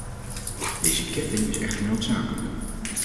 Deze ketting is echter noodzakelijk.